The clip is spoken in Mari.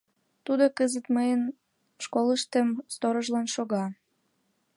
Тудо кызыт мыйын школыштем сторожлан шога.